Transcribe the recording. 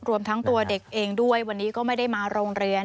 รวมทั้งตัวเด็กเองด้วยวันนี้ก็ไม่ได้มาโรงเรียน